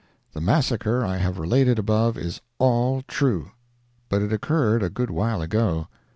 The massacre I have related above is all true, but it occurred a good while ago.